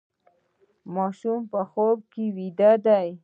ماشوم په خوب ویده دی.